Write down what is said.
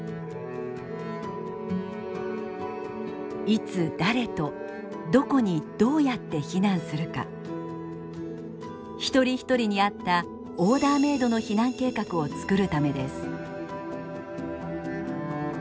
いつ誰とどこにどうやって避難するか一人一人に合ったオーダーメイドの避難計画を作るためです。